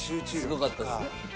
すごかったですか？